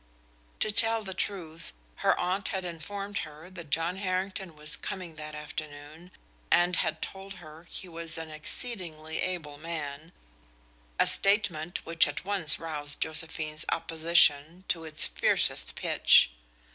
To tell the truth, her aunt had informed her that John Harrington was coming that afternoon, and had told her he was an exceedingly able man, a statement which at once roused Josephine's opposition to its fiercest pitch.